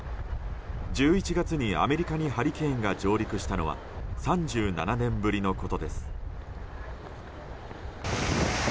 １１月に、アメリカにハリケーンが上陸したのは３７年ぶりのことです。